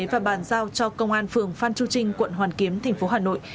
và bàn giao cho công an phường phan chu trinh quận hoàn kiếm tp hà nội